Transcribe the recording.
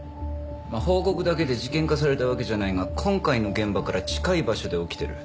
まあ報告だけで事件化されたわけじゃないが今回の現場から近い場所で起きてる。